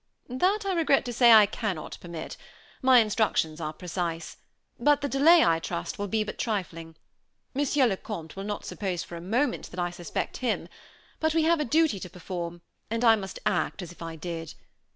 "That, I regret to say, I cannot permit. My instructions are precise; but the delay, I trust, will be but trifling. Monsieur le Comte will not suppose for a moment that I suspect him; but we have a duty to perform, and I must act as if I did.